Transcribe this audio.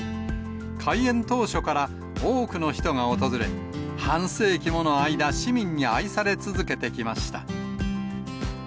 開園当初から、多くの人が訪れ、半世紀もの間、市民に愛され続けてきました。